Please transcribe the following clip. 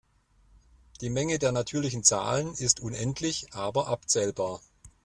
Die Menge der natürlichen Zahlen ist unendlich aber abzählbar.